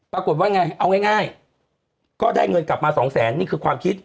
ปรากฏว่าไงเอาง่ายก็ได้เงินกลับมาสองแสนนี่คือความคิด